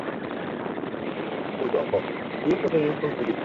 仡佬族是中国和越南的一个少数民族。